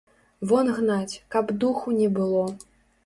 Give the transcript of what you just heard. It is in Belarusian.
Вон гнаць, каб духу не было!